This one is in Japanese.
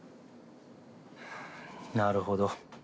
なるほど。